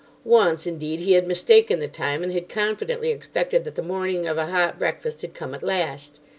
Once, indeed, he had mistaken the time, and had confidently expected that the morning of a hot breakfast had come at last.